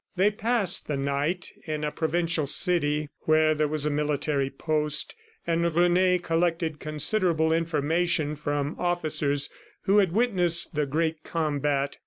They passed the night in a provincial city where there was a military post, and Rene collected considerable information from officers who had witnessed the great combat.